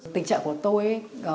tình trạng của tôi